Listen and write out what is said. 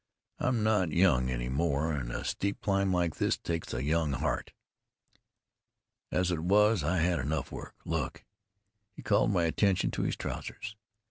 I am not young any more, and a steep climb like this takes a young heart. As it was I had enough work. Look!" He called my attention to his trousers.